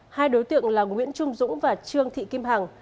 hai đối tượng là nguyễn trung dũng và trương thị kim hằng